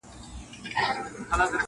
تر اوسه یې د سرو لبو یو جام څکلی نه دی-